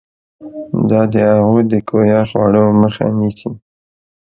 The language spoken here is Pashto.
دا د هغو د کویه خوړو مخه نیسي.